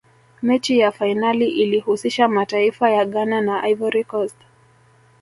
mechi ya fainali ilihusisha mataifa ya ghana na ivory coast